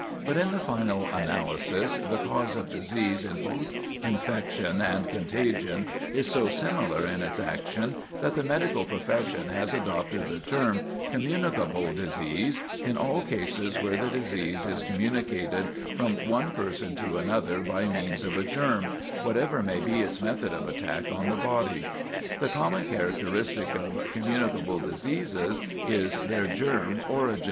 But in the final analysis the cause of disease in both infection and contagion is so similar in its action that the medical profession has adopted the term "communicable disease" in all cases where the disease is communicated from one person to another by means of a germ, whatever may be its method of attack on the body. The common characteristic of "communicable diseases" is their germ origin.